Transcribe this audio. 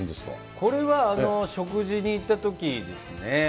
これは食事に行ったときですね。